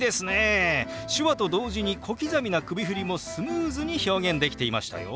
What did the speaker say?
手話と同時に小刻みな首振りもスムーズに表現できていましたよ。